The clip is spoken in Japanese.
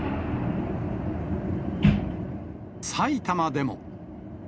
埼玉でも。